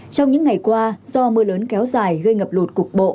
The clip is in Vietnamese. trong những ngày qua do mưa lớn kéo dài gây ngập lụt cục bộ